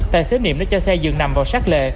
tài xế niệm đã cho xe dường nằm vào sát lệ